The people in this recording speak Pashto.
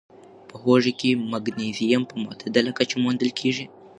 په هوږه کې مګنيزيم په معتدله کچه موندل کېږي.